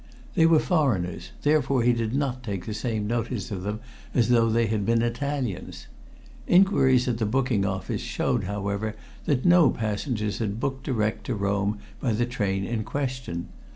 They were foreigners, therefore he did not take the same notice of them as though they had been Italians. Inquiries at the booking office showed, however, that no passengers had booked direct to Rome by the train in question.